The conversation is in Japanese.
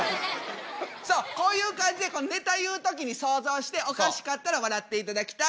さあこういう感じでネタ言う時に想像しておかしかったら笑っていただきたい。